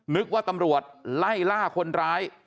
ว่าตำรวจไล่ล่าคนร้าย